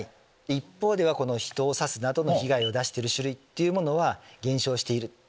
一方では人を刺すなどの被害を出している種類は減少している。